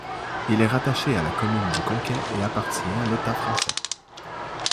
Il est rattaché à la commune du Conquet et appartient à l'État français.